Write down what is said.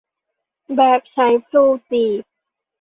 แบบใช้พลูจีบ